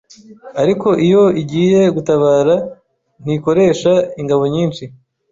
ariko iyo igiye gutabara ntikoresha ingabo nyinshi